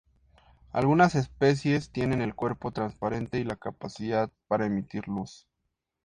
Algunas especies tienen el cuerpo transparente y la capacidad para emitir luz.